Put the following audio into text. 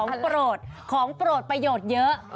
โปรดของโปรดประโยชน์เยอะ